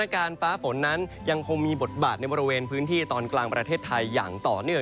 การฟ้าฝนนั้นยังคงมีบทบาทในบริเวณพื้นที่ตอนกลางประเทศไทยอย่างต่อเนื่อง